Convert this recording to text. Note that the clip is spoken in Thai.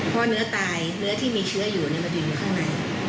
เพราะเนื้อตายเนื้อที่มีเชื้ออยู่มันยืนอยู่ข้างใน